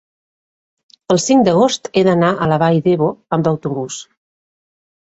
El cinc d'agost he d'anar a la Vall d'Ebo amb autobús.